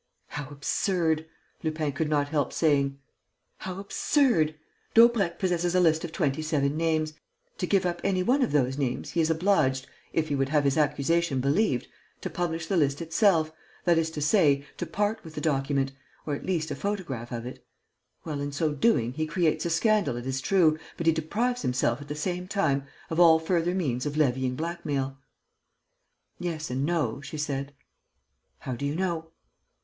"How absurd!" Lupin could not help saying. "How absurd! Daubrecq possesses a list of twenty seven names. To give up any one of those names he is obliged, if he would have his accusation believed, to publish the list itself that is to say, to part with the document, or at least a photograph of it. Well, in so doing, he creates a scandal, it is true, but he deprives himself, at the same time, of all further means of levying blackmail." "Yes and no," she said. "How do you know?"